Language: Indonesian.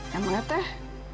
ya ampun teh